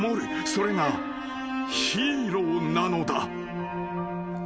それがヒーローなのだ］